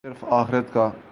تو صرف آخرت کا۔